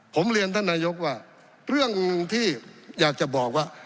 ผมเรียนท่านนายกว่าเรื่องที่อยากจะบอกว่า